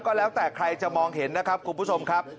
ก็แล้วแต่ใครจะมองเห็นนะครับคุณผู้ชมครับ